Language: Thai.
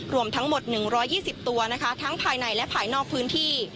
รวมทั้งหมด๑๒๐ตัวนะคะทั้งภายในและภายนอกพื้นที่